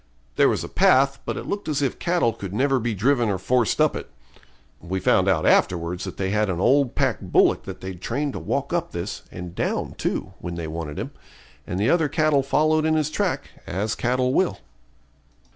There was a path, but it looked as if cattle could never be driven or forced up it. We found afterwards that they had an old pack bullock that they'd trained to walk up this, and down, too, when they wanted him, and the other cattle followed in his track, as cattle will.